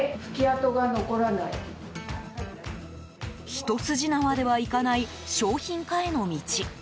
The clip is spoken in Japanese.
ひと筋縄ではいかない商品化への道。